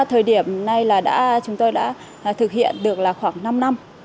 từ đến thời điểm nay là chúng tôi đã thực hiện được khoảng năm năm